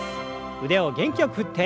腕を元気よく振って。